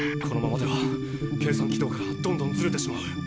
このままでは計算軌道からどんどんずれてしまう。